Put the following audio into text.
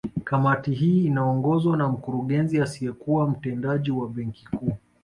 Kamati hii inaongozwa na Mkurugenzi asiyekuwa Mtendaji wa Benki Kuu